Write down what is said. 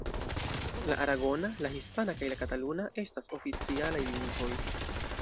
La aragona, la hispana kaj la kataluna estas oficialaj lingvoj.